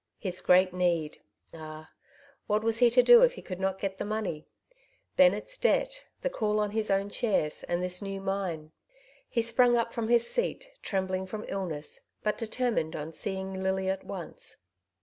His great need ! Ah ! what was he to do if he could not get the money ? Bennett's debt, the call on his own shares, and this new mine. He sprang up from his seat, trembling from illness, but de termined on seeing Lily at once.